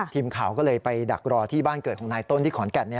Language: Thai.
ทีมข่าวก็เลยไปดักรอที่บ้านเกิดของนายต้นที่ขอนแก่น